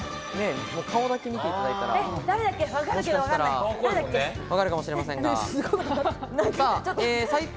顔だけ見ていただいたら、もしかしたら分かるかもしれませんが。